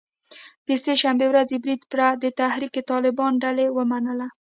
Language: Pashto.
د سه شنبې ورځې برید پړه د تحریک طالبان ډلې ومنله